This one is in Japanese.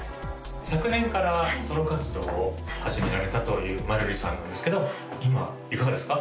昨年からソロ活動を始められたというまるりさんなんですけど今いかがですか？